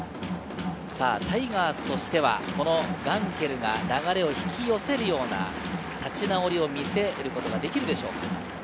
タイガースとしては、このガンケルが流れを引き寄せるような立ち直りを見せれることができるでしょうか。